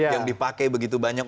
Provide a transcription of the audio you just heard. yang dipakai begitu banyak